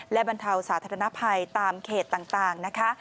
และบรรเทาสาธารณภัยตามเขตต่างนะคะ